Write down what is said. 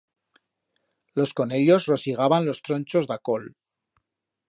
Los conellos rosigaban los tronchos d'a col.